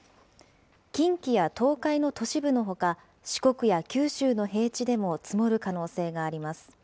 近畿や東海の都市部のほか、四国や九州の平地でも積もる可能性があります。